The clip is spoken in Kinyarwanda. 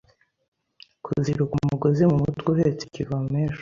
kuzirika umugozi mu mutwe uhetse ikivomesho